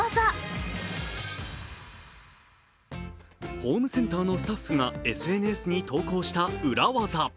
ホームセンターのスタッフがＳＮＳに投稿した裏技。